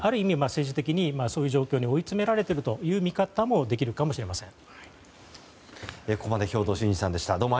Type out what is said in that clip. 政治的にそういう状況に追い詰められているという見方もできるかもしれません。